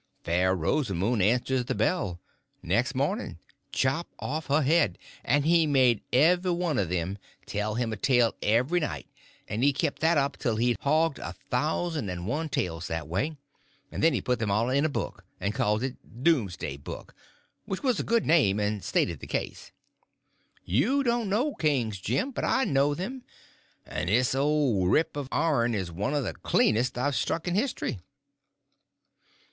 Fair Rosamun answers the bell. Next morning, 'Chop off her head.' And he made every one of them tell him a tale every night; and he kept that up till he had hogged a thousand and one tales that way, and then he put them all in a book, and called it Domesday Book—which was a good name and stated the case. You don't know kings, Jim, but I know them; and this old rip of ourn is one of the cleanest I've struck in history.